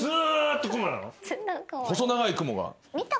細長い雲が。